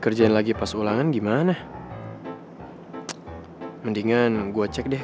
terima kasih ya kan